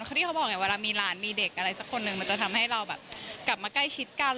คนที่เค้าบอกมีฮากมีเด็กอะไรแล้วจนก็ทำให้เรากลับมาใกล้ชิดกัน